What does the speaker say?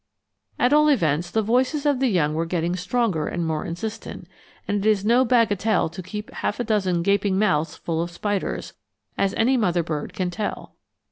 At all events, the voices of the young were getting stronger and more insistent, and it is no bagatelle to keep half a dozen gaping mouths full of spiders, as any mother bird can tell.